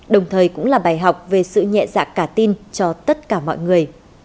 đồng thời cũng là bài học về sự nhẹ dạ cả tin cho tất cả mọi người